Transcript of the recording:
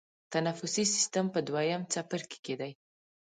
تنفسي سیستم په دویم څپرکي کې دی.